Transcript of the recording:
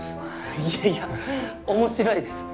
いやいや面白いです。